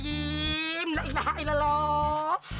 hilal ilah ilah